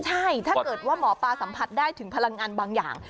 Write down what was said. ใช่ถ้าเกิดว่าหมอปลาสัมผัสได้ถึงพลังงานบางอย่าง